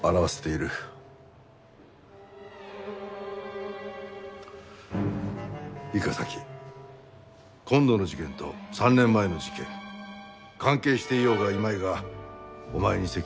いいか早紀今度の事件と３年前の事件関係していようがいまいがお前に責任はない。